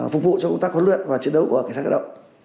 phục vụ cho công tác huấn luyện và chiến đấu của cảnh sát cơ động